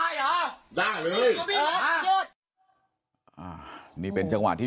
มันก็หน้าบ้านผมเหมือนกันนะเออไม่เห็นใจกว่ามันผม